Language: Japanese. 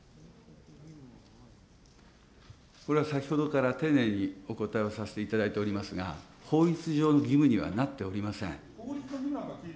これは先ほどから丁寧にお答えをさせていただいておりますが、法律上の義務にはなっておりません。